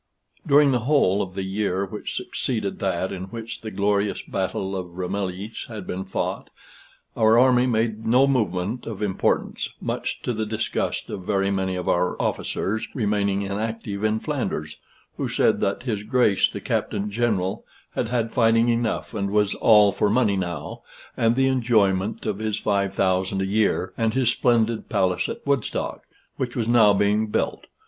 During the whole of the year which succeeded that in which the glorious battle of Ramillies had been fought, our army made no movement of importance, much to the disgust of very many of our officers remaining inactive in Flanders, who said that his Grace the Captain General had had fighting enough, and was all for money now, and the enjoyment of his five thousand a year and his splendid palace at Woodstock, which was now being built.